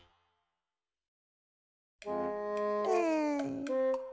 うん。